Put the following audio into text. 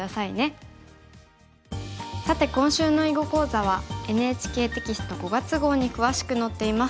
さて今週の囲碁講座はＮＨＫテキスト５月号に詳しく載っています。